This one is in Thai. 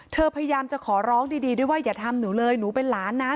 พยายามจะขอร้องดีด้วยว่าอย่าทำหนูเลยหนูเป็นหลานนะ